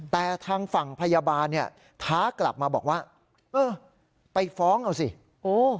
แต่ทางฝั่งพยาบาลเนี่ยท้ากลับมาบอกว่าเออไปฟ้องเอาสิโอ้